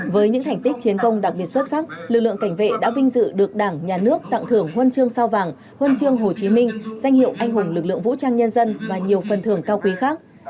với những thành tích chiến công đặc biệt xuất sắc lực lượng cảnh vệ đã vinh dự được đảng nhà nước tặng thưởng huân chương sao vàng huân chương hồ chí minh danh hiệu anh hùng lực lượng vũ trang nhân dân và nhiều phần thưởng cao quý khác